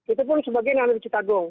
itu pun sebagian yang dari cikagong